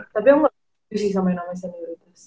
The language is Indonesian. tapi aku gak setuju sih sama yang namanya senioritas